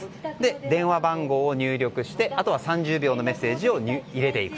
電話番号を入力してあとは３０秒ほどのメッセージを入れていく。